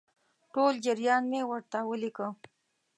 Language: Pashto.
ټول جریان مې ورته ولیکه.